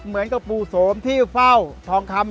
เหมือนกับปู่โสมที่เฝ้าทองคำ